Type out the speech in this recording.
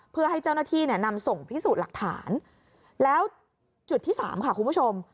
เพื่อให้เจ้าหน้าที่เนี่ยนำส่งพิสูจน์หลักฐานแล้วจุดที่สามค่ะคุณผู้ชม